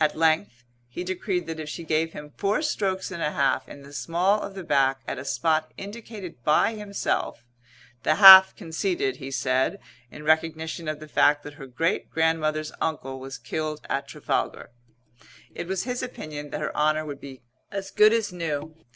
At length he decreed that if she gave him four strokes and a half in the small of the back at a spot indicated by himself (the half conceded, he said, in recognition of the fact that her great grandmother's uncle was killed at Trafalgar) it was his opinion that her honour would be as good as new.